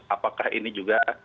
apakah ini juga